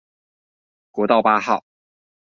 國道八號